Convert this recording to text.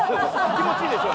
気持ちいいでしょ？